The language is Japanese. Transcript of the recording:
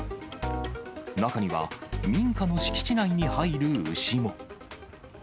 中には民家の敷地内に入る牛も。